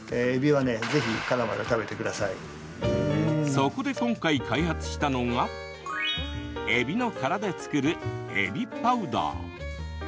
そこで今回、開発したのがえびの殻で作るえびパウダー。